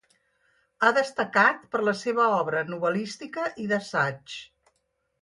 Ha destacat per la seva obra novel·lística i d'assaig.